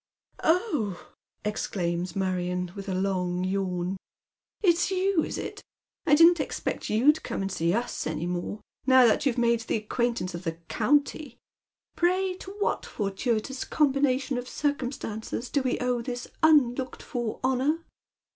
*' Oh !" exclaims Marion, with a long yawn, " It's you, is it ? I didn't expect you'd come and see us any more, now that you've made the acquaintance of the county. Pray to what fortuitous combination of circumstances do we owe this unlooked for honour